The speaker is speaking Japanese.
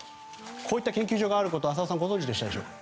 こういった研究所があること浅尾さん、ご存じでしたか。